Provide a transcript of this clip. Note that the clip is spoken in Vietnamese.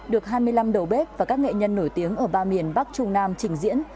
được hai mươi năm đầu bếp và các nghệ nhân nổi tiếng ở ba miền bắc trung nam trình diễn